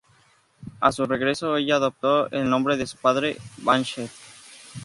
A su regreso, ella adopta el nombre de su padre, Banshee.